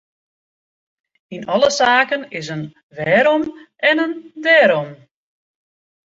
Yn alle saken is in wêrom en in dêrom.